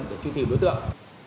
để truy tìm đối tượng